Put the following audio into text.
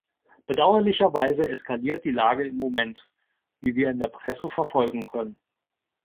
Bedauerlicherweise eskaliert die Lage im Moment, wie wir in der Presse verfolgen können.